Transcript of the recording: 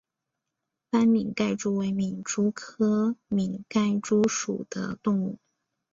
斑皿盖蛛为皿蛛科皿盖蛛属的动物。